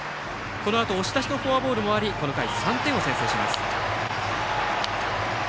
このあと押し出しのフォアボールもありこの回３点を先制します。